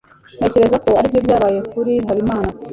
ntekereza ko aribyo byabaye kuri habimana